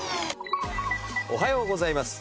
おはようございます。